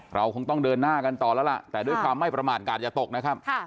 เราคงต้องเดินหน้ากันต่อแล้วล่ะแต่ด้วยความไม่ประมาทกาศอย่าตกนะครับ